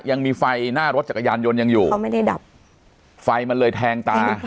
ยังมีไฟหน้ารถจักรยานยนต์ยังอยู่เขาไม่ได้ดับไฟมันเลยแทงตา